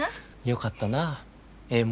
よかったなええ